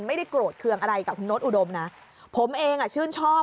ไม่ได้โกรธเคืองอะไรกับคุณโน๊ตอุดมนะผมเองอ่ะชื่นชอบ